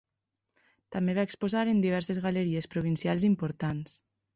També va exposar en diverses galeries provincials importants.